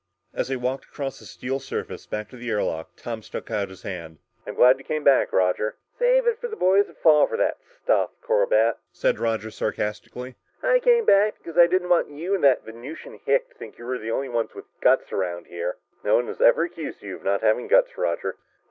As they walked across the steel surface, back to the air lock, Tom stuck out his hand. "I'm glad you came back, Roger." "Save it for the boys that fall for that stuff, Corbett," said Roger sarcastically. "I came back because I didn't want you and that Venusian hick to think you're the only ones with guts around here!" "No one has ever accused you of not having guts, Roger."